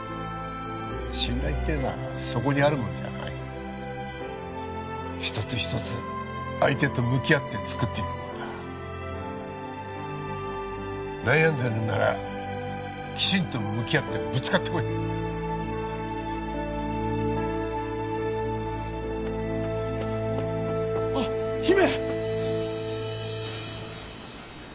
信頼っていうのはそこにあるもんじゃない一つ一つ相手と向き合って作っていくもんだ悩んでるんならきちんと向き合ってぶつかってこいあっ姫！